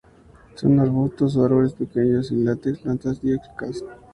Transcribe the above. Son arbustos o árboles pequeños, sin látex; plantas dioicas.